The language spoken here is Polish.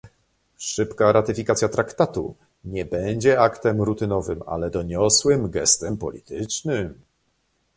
Szybka ratyfikacja traktatu nie będzie aktem rutynowym, ale doniosłym gestem politycznym